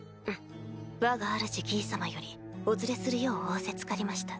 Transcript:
わがあるじギィ様よりお連れするよう仰せつかりました。